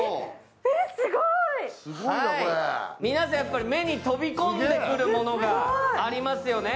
皆さん、目に飛び込んでくるものがありますよね。